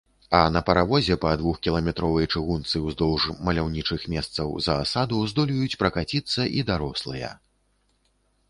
А на паравозе па двухкіламетровай чыгунцы ўздоўж маляўнічых месцаў заасаду здолеюць пракаціцца і дарослыя.